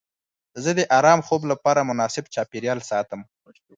زه د ارام خوب لپاره مناسب چاپیریال ساتم.